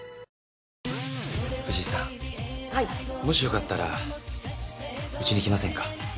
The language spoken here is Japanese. もしよかったらうちに来ませんか？